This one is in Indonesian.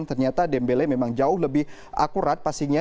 ternyata dembele memang jauh lebih akurat pastinya